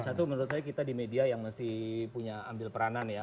satu menurut saya kita di media yang mesti punya ambil peranan ya